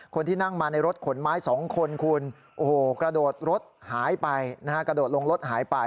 คนที่นั่งมาในรถขนไม้๒คนคุณกระโดดลงรถหายไป